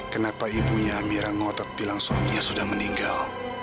kenapa ibunya mira ngotot bilang suaminya sudah meninggal